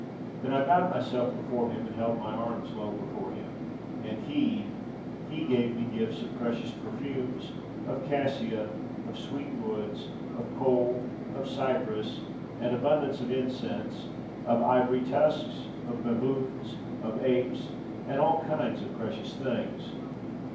"Then I bowed myself before him, and held my arms low before him, and he, he gave me gifts of precious perfumes, of cassia, of sweet woods, of kohl, of cypress, an abundance of incense, of ivory tusks, of baboons, of apes, and all kinds of precious things.